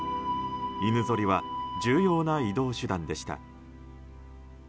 犬ぞりは重要な移動手段でした。